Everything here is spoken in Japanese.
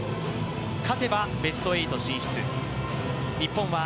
勝てばベスト８進出。